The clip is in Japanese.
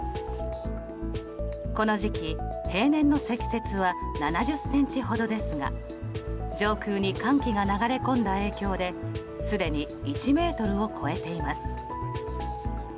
この時期、平年の積雪は７０ｃｍほどですが上空に寒気が流れ込んだ影響ですでに１ｍを超えています。